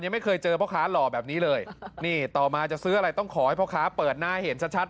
ไม่เคยเจอพ่อค้าหล่อแบบนี้เลยนี่ต่อมาจะซื้ออะไรต้องขอให้พ่อค้าเปิดหน้าเห็นชัดชัด